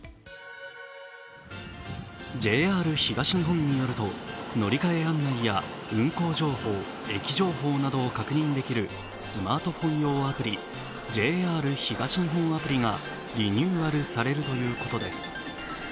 ＪＲ東日本によると、乗換案内や運行情報、駅情報などを確認できるスマートフォン用アプリ、ＪＲ東日本アプリがリニューアルされるということです。